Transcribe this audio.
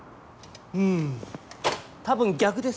うん多分逆ですね。